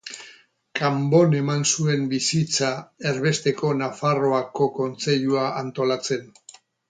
Kanbon eman zuen bizitza erbesteko Nafarroako Kontseilua antolatzen.